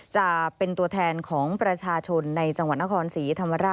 จะเป็นตัวแทนของประชาชนในจังหวัดนครศรีธรรมราช